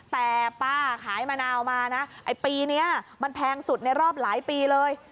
แต่ป้าขายมะนาวมานะไอ้ปีนี้มันแพงสุดในรอบหลายปีเลย